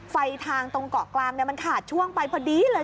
ไฟทางตรงเกาะกลางมันขาดช่วงไปพอดีเลย